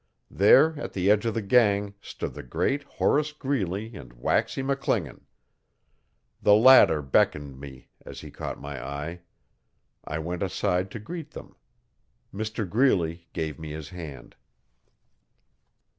There at the edge of the gang stood the great Horace Greeley and Waxy McClingan. The latter beckoned me as he caught my eye. I went aside to greet them. Mr Greeley gave me his hand.